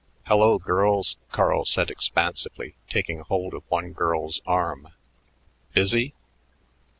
"Hello, girls," Carl said expansively, taking hold of one girl's arm. "Busy?"